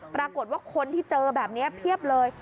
ปรากฏว่าคนที่เจอแบบนี้เพียบเลย